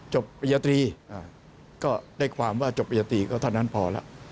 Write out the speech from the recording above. ปริญญาตรีก็ได้ความว่าจบปริญญาตรีก็เท่านั้นพอแล้ว